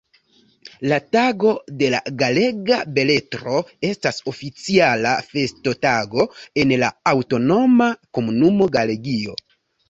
La Tago de la Galega Beletro estas oficiala festotago en la aŭtonoma komunumo Galegio.